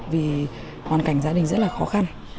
vì hoàn cảnh gia đình rất là khó khăn